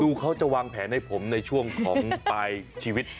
เขาจะวางแผนให้ผมในช่วงของปลายชีวิต